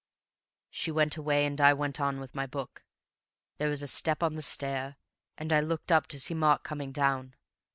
"She went away, and I went on with my book. There was a step on the stairs, and I looked up to see Mark coming down.